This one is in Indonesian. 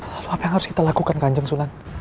lalu apa yang harus kita lakukan kanjang sunan